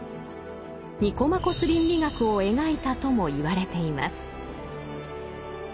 「ニコマコス倫理学」を描いたともいわれています。